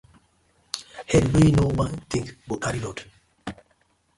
Head wey no wan think, go carry load: